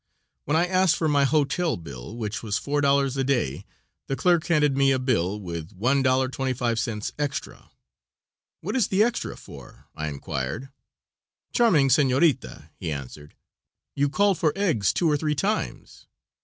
When I asked for my hotel bill, which was $4 a day, the clerk handed me a bill with $1.25 extra. "What is the extra for?" I inquired. "Charming senorita," he answered, "you called for eggs two or three times."